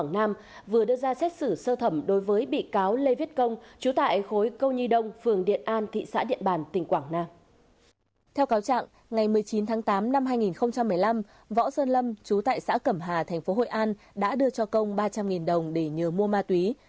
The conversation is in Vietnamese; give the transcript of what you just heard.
năm hai nghìn một mươi năm võ sơn lâm chú tại xã cẩm hà thành phố hội an đã đưa cho công ba trăm linh đồng để nhờ mua ma túy